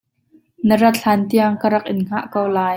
Na rat hlan tiang ka rak in hngah ko lai.